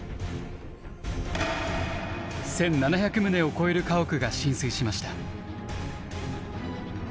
１，７００棟を超える家屋が浸水しました。